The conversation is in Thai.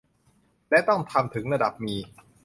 และต้องทำถึงระดับมี